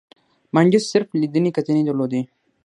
مانډس صرف لیدنې کتنې درلودې.